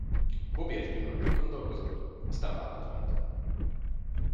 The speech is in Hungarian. Bobby egy pillanatig gondolkozott, aztán vállat vont.